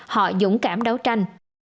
họ dũng cảm đấu tranh